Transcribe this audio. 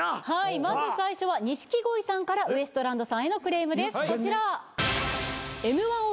まず最初は錦鯉さんからウエストランドさんへのクレームですこちら。